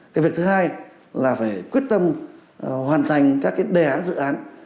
cái việc thứ hai là phải quyết tâm hoàn thành các cái đề án dự án